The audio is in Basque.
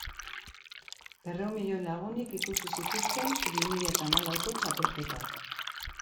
Berrehun milioi lagunek ikusi zituzten bi mila eta hamalauko txapelketak.